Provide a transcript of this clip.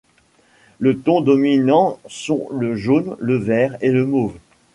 Les tons dominants sont le jaune, le vert et le mauve.